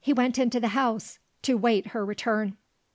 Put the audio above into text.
"Went into the house, to wait her return."